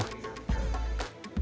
kepala departemen ilmu gizi